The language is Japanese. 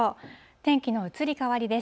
天気の移り変わりです。